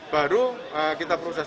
baru kita proses